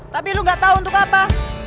tapi lu gak tau untuk apa